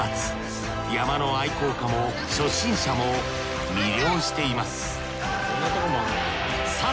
山の愛好家も初心者も魅了しています